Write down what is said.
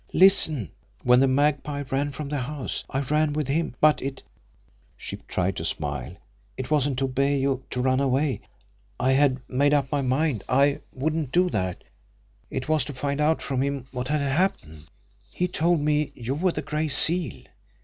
Listen! When the Magpie ran from the house, I ran with him but it" she tried to smile "it wasn't to obey you, to run away I had made up my mind I wouldn't do that it was to find out from him what had happened. He told me you were the Gray Seal.